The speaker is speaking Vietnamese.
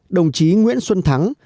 đồng chí nguyễn xuân thắng